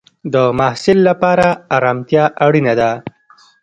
د محصل لپاره ارامتیا اړینه ده.